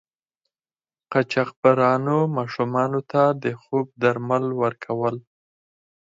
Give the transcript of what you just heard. قاچاقبرانو ماشومانو ته د خوب درمل ورکول.